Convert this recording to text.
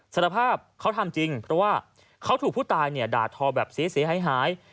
สารภาพเขาทำจริงเพราะว่าเขาถูกผู้ตายเนี่ยด่าทอแบบเสียหาย